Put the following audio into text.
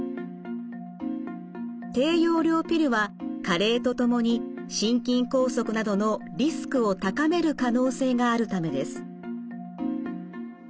低用量ピルは加齢とともに心筋梗塞などのリスクを高める可能性があるためです。